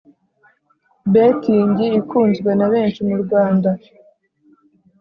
Betingi ikunzwe nabenshi mu Rwanda.